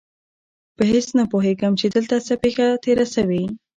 په هېڅ نه پوهېږم چې دلته څه پېښه تېره شوې.